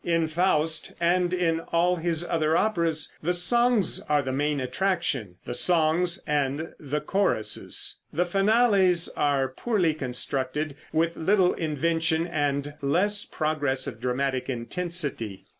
In "Faust," and in all his other operas, the songs are the main attractions the songs and the choruses. The finales are poorly constructed, with little invention and less progress of dramatic intensity.